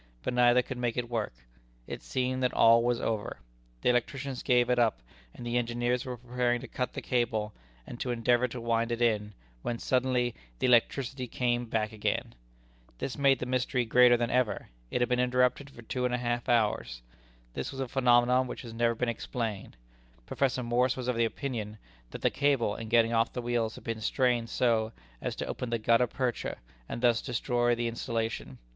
But neither could make it work. It seemed that all was over. The electricians gave it up, and the engineers were preparing to cut the cable, and to endeavor to wind it in, when suddenly the electricity came back again. This made the mystery greater than ever. It had been interrupted for two hours and a half. This was a phenomenon which has never been explained. Professor Morse was of opinion that the cable, in getting off the wheels, had been strained so as to open the gutta percha, and thus destroy the insulation.